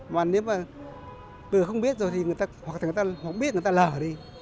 mà nếu mà người không biết rồi hoặc là người ta không biết người ta lờ đi